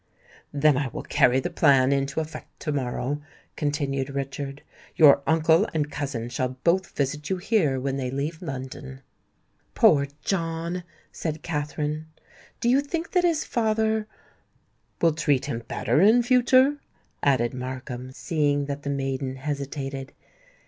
"Then I will carry the plan into effect to morrow," continued Richard. "Your uncle and cousin shall both visit you here, when they leave London." "Poor John!" said Katherine. "Do you think that his father——" "Will treat him better in future?" added Markham, seeing that the maiden hesitated.